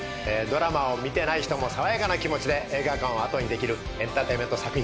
ドラマを見てない人も爽やかな気持ちで映画館を後にできるエンターテインメント作品です。